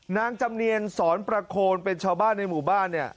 นางจำเนียนสอนประโคนเป็นชาวบ้านในหมู่บ้านเนี่ย